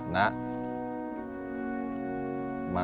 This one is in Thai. นะมะ